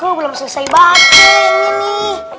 aku belum selesai banget yang ini